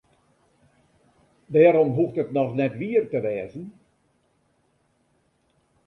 Dêrom hoecht it noch net wier te wêzen.